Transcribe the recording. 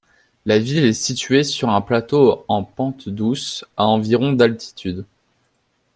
La ville est située sur un plateau en pente douce, à environ d'altitude.